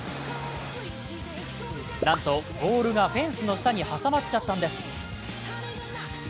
なんと、ボールがフェンスの下に挟まっちゃったんです。